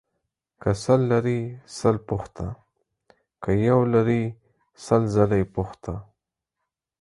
که سل لرې سل پوښته ، که يو لرې سل ځله يې پوښته.